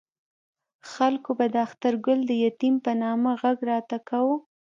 خلکو به د اخترګل د یتیم په نامه غږ راته کاوه.